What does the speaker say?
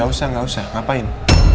gak usah nggak usah ngapain